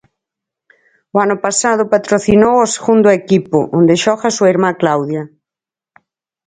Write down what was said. O ano pasado patrocinou o segundo equipo, onde xoga súa irmá Claudia.